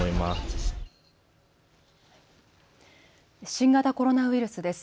新型コロナウイルスです。